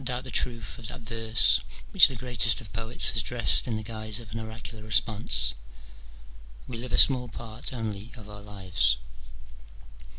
doubt the truth of that verse which the greatest of poets has dressed in the guise of an oracular response —''*"^'''!'" We live a small part only of our lives."